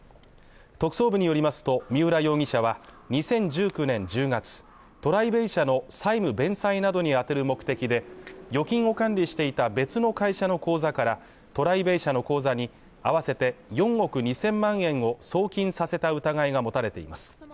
特捜部によりますと、三浦容疑者は２０１９年１０月、トライベイ社の債務弁済などに充てる目的で預金を管理していた別の会社の口座からトライベイ社の口座に合わせて４億２０００万円を送金させた疑いが持たれています